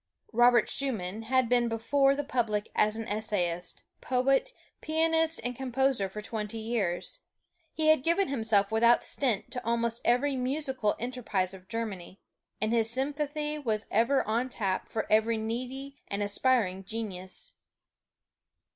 Robert Schumann had been before the public as essayist, poet, pianist and composer for twenty years. He had given himself without stint to almost every musical enterprise of Germany, and his sympathy was ever on tap for every needy and aspiring genius.